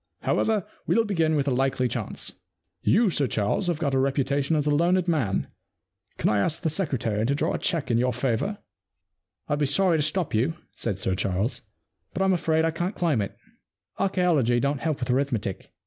However, we'll begin with a likely chance. You, Sir Charles, have got a reputation as a learned man ; can I ask the secretary to draw a cheque in your favour ?'* I'd be sorry to stop you,' said Sir Charles, * but I'm afraid I can't claim it. Archaeology don't help with arithmetic.